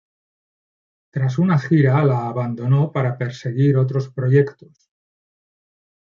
Tras una gira la abandonó para perseguir otros proyectos.